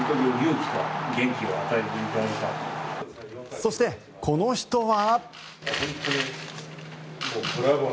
そして、この人は。